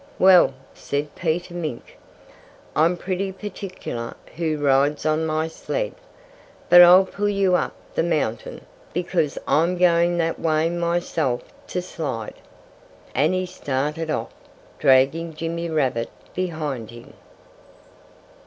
"Well," said Peter Mink, "I'm pretty particular who rides on my sled. But I'll pull you up the mountain, because I'm going that way myself, to slide." And he started off, dragging Jimmy Rabbit behind him.